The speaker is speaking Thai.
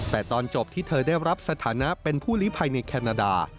แต่ตอนจบที่เธอได้รับสถานะเป็นผู้ลิภัยในแคนาดา